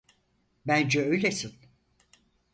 Bence öylesin.